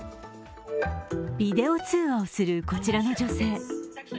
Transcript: ビデオ通話をするこちらの女性。